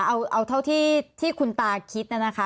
คุณตาค่ะเอาเท่าที่คุณตาคิดนั่นนะคะ